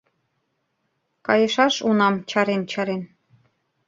Кайышаш унам чарен-чарен